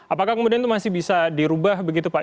apakah kemudian itu masih bisa dirubah begitu pak